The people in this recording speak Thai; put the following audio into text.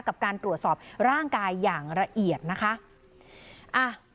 กับการตรวจสอบร่างกายอย่างละเอียดนะคะ